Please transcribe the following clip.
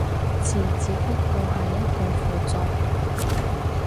字只不過係一個輔助